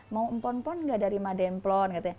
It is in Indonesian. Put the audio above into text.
mau empon empon nggak dari mademplon